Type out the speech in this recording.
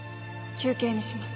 休憩にします。